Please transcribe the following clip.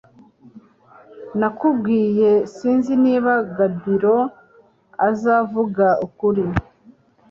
Nakubwiye sinzi niba Gabiro azavuga ukuri